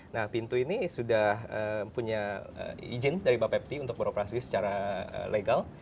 nah pintu ini sudah punya izin dari bapepti untuk beroperasi secara legal